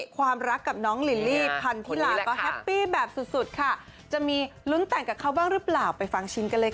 ความรักกับน้องลิลลี่พันธิลาก็แฮปปี้แบบสุดค่ะจะมีลุ้นแต่งกับเขาบ้างหรือเปล่าไปฟังชิมกันเลยค่ะ